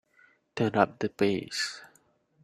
Turn up the bass.